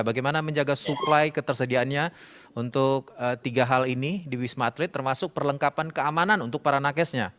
bagaimana menjaga supply ketersediaannya untuk tiga hal ini di wisma atlet termasuk perlengkapan keamanan untuk para nakesnya